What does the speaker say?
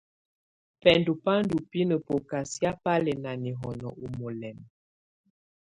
Bəndú ba ndɔ binə bɔkasɛa ba lɛ́ na nɛhɔ́nɔ u mɔlɛmb.